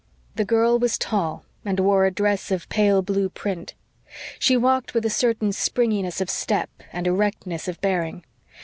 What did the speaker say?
The girl was tall and wore a dress of pale blue print. She walked with a certain springiness of step and erectness of bearing.